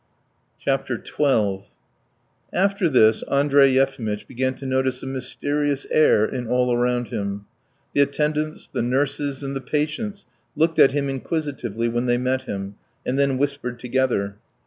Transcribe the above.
XII After this Andrey Yefimitch began to notice a mysterious air in all around him. The attendants, the nurses, and the patients looked at him inquisitively when they met him, and then whispered together.